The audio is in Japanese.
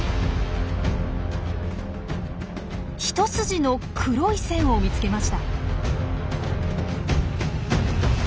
一筋の黒い線を見つけました。